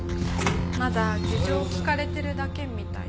まだ事情を聞かれてるだけみたいよ。